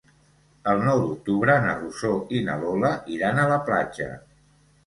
El nou d'octubre na Rosó i na Lola iran a la platja.